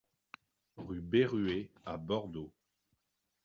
Rue Berruer à Bordeaux